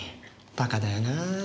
バカだよなぁ。